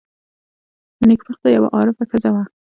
نېکبخته یوه عارفه ښځه وه.